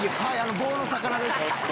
棒の魚です。